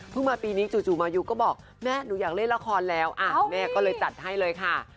มาปีนี้จู่มายูก็บอกแม่หนูอยากเล่นละครแล้วแม่ก็เลยจัดให้เลยค่ะ